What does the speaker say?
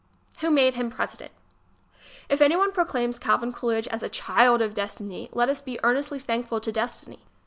Who Made Him President ? If anyone proclaims Calvin Coolidge a "child of destiny," let us be earnestly thankful to Destiny.